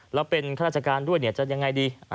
เราเป็นฮราชการทั่วเนี่ยจะยังไงดี